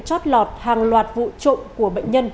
chót lọt hàng loạt vụ trộm của bệnh nhân